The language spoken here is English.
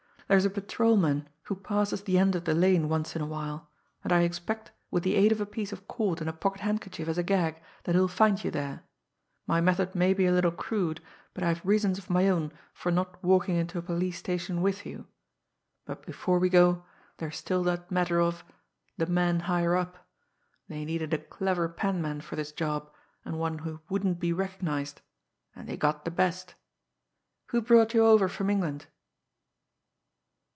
There's a patrolman who passes the end of the lane once in a while, and I expect, with the aid of a piece of cord and a pocket handkerchief as a gag, that he'll find you there. My method may be a little crude, but I have reasons of my own for not walking into a police station with you. but before we go, there's still that matter of the men higher up. They needed a clever penman for this job and one who wouldn't be recognised and they got the best! Who brought you over from England?"